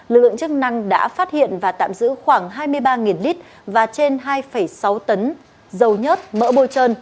lực lượng chức năng đã phát hiện và tạm giữ khoảng hai mươi ba lít và trên hai sáu tấn dầu nhớt mỡ bôi trơn